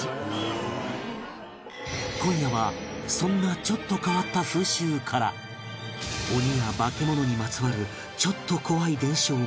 今夜はそんなちょっと変わった風習から鬼や化け物にまつわるちょっと怖い伝承まで